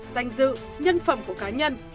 danh dự nhân phẩm của cá nhân